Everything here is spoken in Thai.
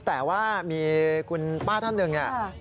แต่ว่ามีคุณป้าท่านหนึ่ง